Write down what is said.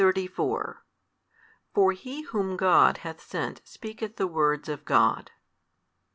34 For He Whom God hath sent speaketh the words of God.